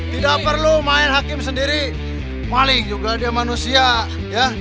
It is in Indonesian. tidak perlu main hakim sendiri maling juga dia manusia ya